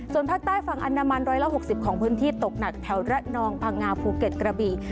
ส่วนภาคใต้ฝั่งอันดามัน๑๖๐ของพื้นที่ตกหนักแถวระนองพังงาภูเก็ตกระบี่